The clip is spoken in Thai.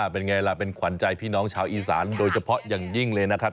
เป็นไงล่ะเป็นขวัญใจพี่น้องชาวอีสานโดยเฉพาะอย่างยิ่งเลยนะครับ